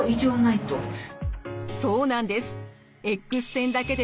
そうなんです。